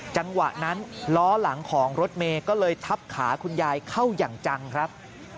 จังหวะนั้นล้อหลังของรถเมย์ก็เลยทับขาคุณยายเข้าอย่างจังครับ